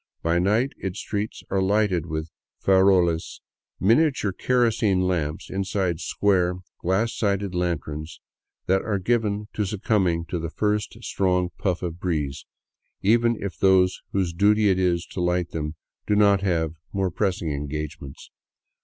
By night its streets are '' lighted " with farolcs, miniature kerosene lamps inside square, glass sided lanterns that are given to succumbing to the first strong puff of breeze, even if those whose duty it is to light them do not have more pressing engagements.